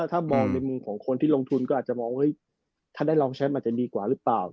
ถ้ามองในมุมของคนที่ลงทุนก็อาจจะมองเฮ้ยถ้าได้รองแชมป์อาจจะดีกว่าหรือเปล่า